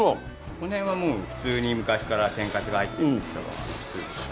この辺はもう普通に昔から天かすが入ってるっていうのが。